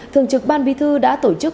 thường trực ban bí thư đã tổ chức